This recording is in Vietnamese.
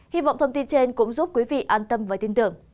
hy vọng thông tin trên cũng giúp quý vị an tâm và tin tưởng